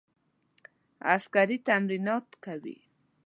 عسکري تمرینات کوي.